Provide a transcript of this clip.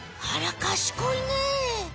あらかしこいね。